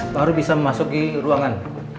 baru bisa masuk di ruangan